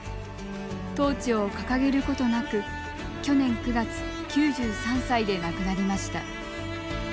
トーチを掲げることなく去年９月９３歳で亡くなりました。